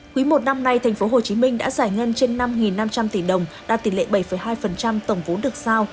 quý một năm nay tp hcm đã giải ngân trên năm năm trăm linh tỷ đồng đạt tỷ lệ bảy hai tổng vốn được sao